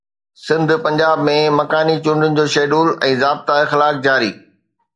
سنڌ-پنجاب ۾ مڪاني چونڊن جو شيڊول ۽ ضابطا اخلاق جاري